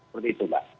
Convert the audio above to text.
seperti itu mbak